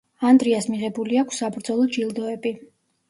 ანდრიას მიღებული აქვს საბრძოლო ჯილდოები.